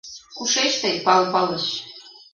Кушеч тый, Пал Палыч?